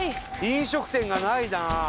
飲食店がないなあ。